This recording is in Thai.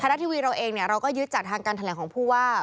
รัฐทีวีเราเองเราก็ยึดจากทางการแถลงของผู้ว่า